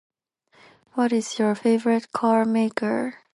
What is your favorite car maker?